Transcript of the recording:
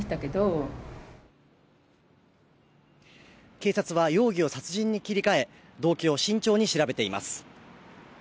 警察は容疑を殺人に切り替え動機を慎重に調べています